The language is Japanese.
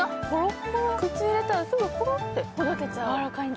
口に入れたらすぐ、ほろってとろけちゃう。